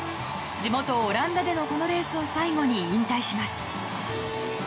地元オランダでのこのレースを最後に引退します。